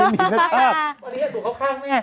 ก็อยู่ข้างเนี่ย